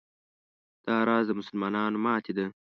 دا راز د مسلمانانو ماتې ده.